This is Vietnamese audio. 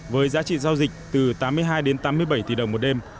với giá trị giao dịch từ tám mươi hai đến tám mươi bảy tỷ đồng một đêm